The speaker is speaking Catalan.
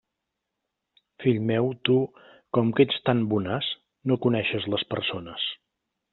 Fill meu, tu, com que ets tan bonàs, no coneixes les persones.